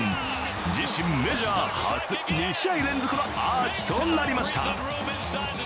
自身メジャー初、２試合連続のアーチとなりました。